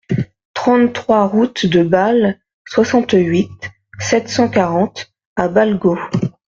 trente-trois route de Bâle, soixante-huit, sept cent quarante à Balgau